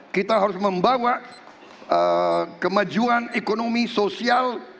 kita harus membawa kemajuan ekonomi sosial